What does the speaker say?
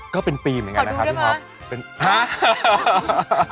ก็เป็นปีเหมือนกันนะครับพี่ท็อปเป็นพระ